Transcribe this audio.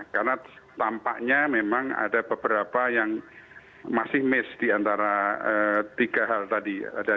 karena tampaknya memang ada beberapa yang masih miss di antara tiga hal tadi